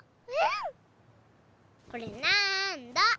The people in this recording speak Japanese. これなんだ？